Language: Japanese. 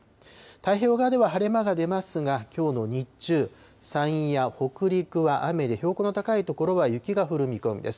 太平洋側では晴れ間が出ますが、きょうの日中、山陰や北陸は雨で、標高の高い所は雪が降る見込みです。